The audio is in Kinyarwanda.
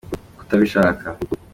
kutabishaka.